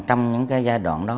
trong những cái giai đoạn đó